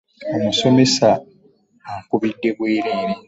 Omusomesa ankubidde bweereere!